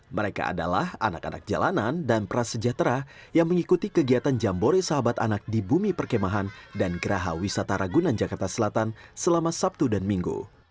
mereka adalah anak anak jalanan dan prasejahtera yang mengikuti kegiatan jambore sahabat anak di bumi perkemahan dan geraha wisata ragunan jakarta selatan selama sabtu dan minggu